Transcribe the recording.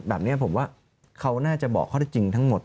แบบนี้ผมว่าเขาน่าจะบอกข้อได้จริงทั้งหมด